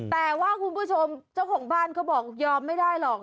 แต่ว่าคุณผู้ชมเจ้าของบ้านเขาบอกยอมไม่ได้หรอก